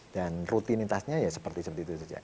dan rutinitasnya ya seperti itu saja